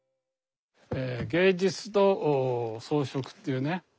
「芸術と装飾」っていうね。